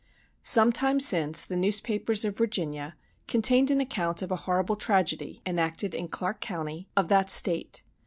Some time since, the newspapers of Virginia contained an account of a horrible tragedy, enacted in Clarke County, of that state.